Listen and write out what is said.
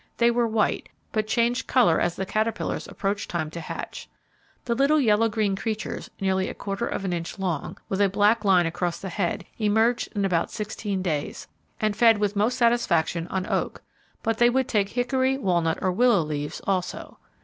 They were white but changed colour as the caterpillars approached time to hatch. The little yellow green creatures, nearly a quarter of an inch long, with a black line across the head, emerged in about sixteen days, and fed with most satisfaction on oak, but they would take hickory, walnut or willow leaves also.